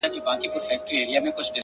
نورو ته مي شا کړې ده تاته مخامخ یمه ـ